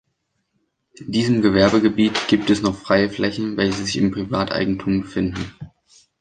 In diesem Gewerbegebiet gibt es noch freie Flächen, welche sich im Privateigentum befinden.